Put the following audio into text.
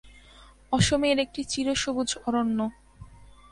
অসমের একটি চিরসবুজ অরণ্য।